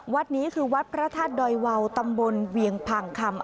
วัดนี้คือวัดพระธาตุดอยวาวตำบลเวียงพังคำ